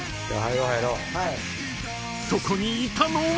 ［そこにいたのは］